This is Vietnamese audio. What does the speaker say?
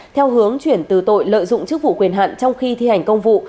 theo hướng chuyển từ tội lợi dụng chức vụ quyền hạn trong khi thi hành công vụ